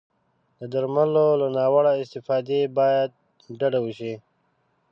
د درملو له ناوړه استفادې باید ډډه وشي.